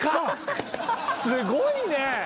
すごいね！